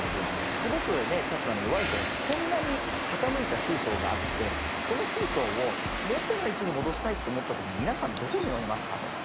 すごく立場の弱い人がいてこんなに傾いたシーソーがあってこのシーソーを元の位置に戻したいと思った時に皆さんどこに乗りますかと。